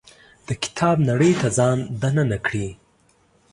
د کتاب نړۍ ته ځان دننه کړي.